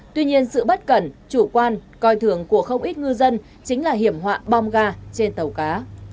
tuy nhiên sự bất cẩn chủ quan coi thường của không ít ngư dân chính là hiểm họa bom ga trên tàu cá